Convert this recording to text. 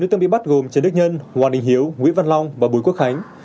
bốn tượng bị bắt gồm trần đức nhân hoàng đình hiếu nguyễn văn long và bùi quốc khánh